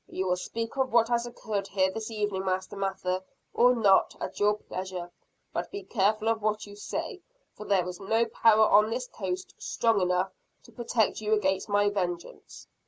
"You will speak of what has occurred here this evening Master Mather, or not, at your pleasure. But be careful of what you say for there is no power on this coast, strong enough to protect you against my vengeance!"